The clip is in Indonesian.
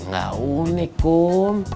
gak unik kum